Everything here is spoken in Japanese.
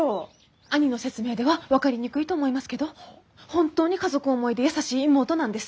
兄の説明では分かりにくいと思いますけど本当に家族思いで優しい妹なんです。